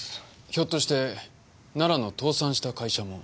ひょっとして奈良の倒産した会社も。